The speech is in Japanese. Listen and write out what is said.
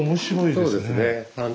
そうですね。